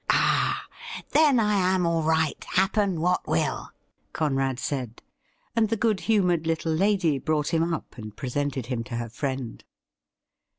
' Ah ! then I am all right, happen what will,' Conrad said ; and the good humoured little lady brought him up and presented him to her friend.